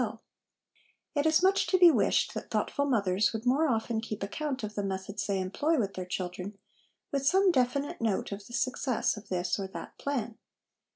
l It is much to be wished that thoughtful mothers would more often keep account of the methods they employ with their children, with some definite note of the success of this or that plan.